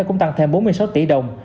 cũng tăng thêm bốn mươi sáu tỷ đồng